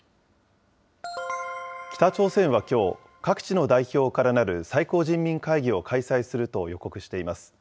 北朝鮮はきょう、各地の代表からなる最高人民会議を開催すると予告しています。